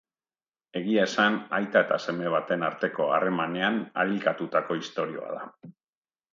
Egia esan aita eta seme baten arteko harremanean harilkatutako istorioa da.